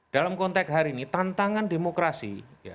dalam konteks hari ini tantangan demokrasi